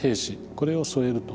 これを添えると。